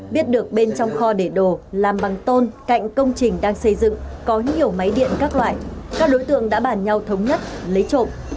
biết được bên trong kho để đồ làm bằng tôn cạnh công trình đang xây dựng có nhiều máy điện các loại các đối tượng đã bàn nhau thống nhất lấy trộm